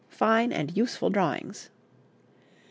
Fine and useful drawings. MS.